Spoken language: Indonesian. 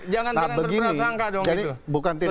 jangan jangan berperangka dong